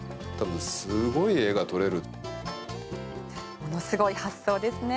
ものすごい発想ですね。